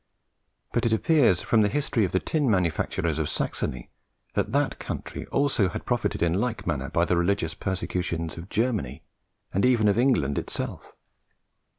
But it appears from the history of the tin manufactures of Saxony, that that country also had profited in like manner by the religious persecutions of Germany, and even of England itself.